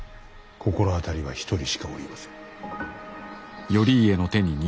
心当たりは一人しかおりませぬ。